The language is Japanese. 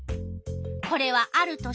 これはある年